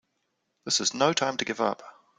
This is no time to give up!